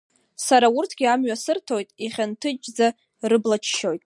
Сара урҭгьы амҩа сырҭоит, ихьанҭыџьӡа рыбла ччоит.